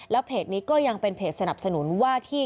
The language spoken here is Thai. เพจนี้ก็ยังเป็นเพจสนับสนุนว่าที่